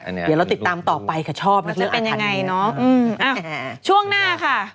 เดี๋ยวเราติดตามต่อไปกับชอบเรื่องอาถรรย์ช่วงหน้าค่ะ